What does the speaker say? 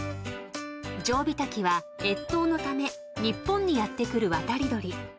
［ジョウビタキは越冬のため日本にやって来る渡り鳥］